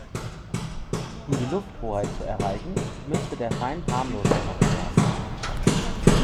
Um die Lufthoheit zu erreichen, müsste der Feind „harmlos“ gemacht werden.